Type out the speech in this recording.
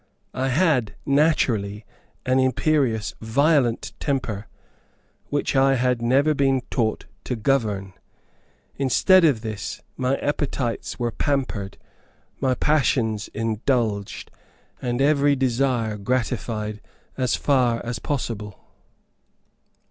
I had naturally an imperious, violent temper, which I had never been taught to govern. Instead of this, my appetites were pampered, my passions indulged, and every desire gratified as far as possible.